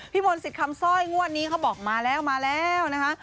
มนต์สิทธิ์คำสร้อยงวดนี้เขาบอกมาแล้วมาแล้วนะคะ